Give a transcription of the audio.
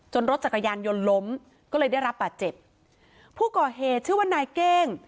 รถจักรยานยนต์ล้มก็เลยได้รับบาดเจ็บผู้ก่อเหตุชื่อว่านายเก้ง